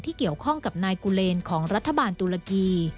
เกี่ยวข้องกับนายกูเลนของรัฐบาลตุรกี